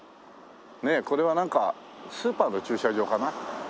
ねえこれはなんかスーパーの駐車場かな？